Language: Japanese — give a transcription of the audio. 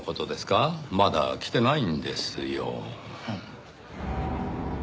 まだ来てないんですよ。